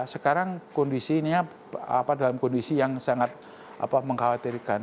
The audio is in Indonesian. sekarang kondisinya dalam kondisi yang sangat mengkhawatirkan